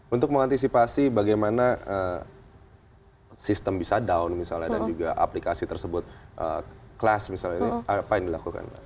untuk mengantisipasi bagaimana sistem bisa down misalnya dan juga aplikasi tersebut class misalnya apa yang dilakukan pak